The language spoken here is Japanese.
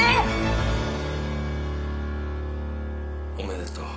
おめでとう。